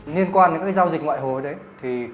nhiên quan đến giao dịch ngoại hối